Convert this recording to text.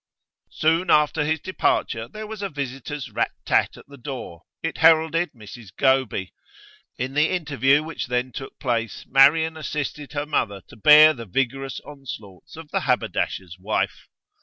Soon after his departure there was a visitor's rat tat at the door; it heralded Mrs Goby. In the interview which then took place Marian assisted her mother to bear the vigorous onslaughts of the haberdasher's wife.